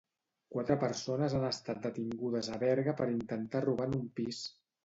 Quatre persones han estat detingudes a Berga per intentar robar en un pis.